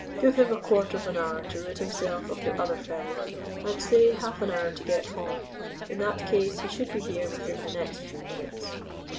"Give him a quarter of an hour to rid himself of the other fellow, and say half an hour to get home. In that case he should be here within the next few minutes."